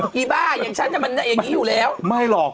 พี่บ้านยังใช้ทำอย่างอย่างนี้อยู่แล้ว